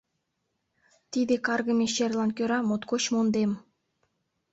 Тиде каргыме черлан кӧра моткоч мондем.